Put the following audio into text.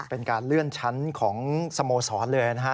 เป็นการเลื่อนชั้นของสโมสรเลยนะฮะ